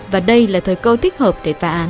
và đây là thời cơ thích hợp để phá án